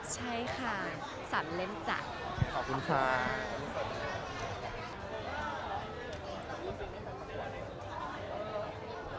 ใช่ค่ะสำเร็จจ้ะ